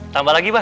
tambah lagi bang